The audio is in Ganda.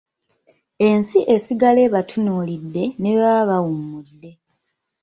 Ensi esigala ebatunuulidde ne bwe baba bawummudde.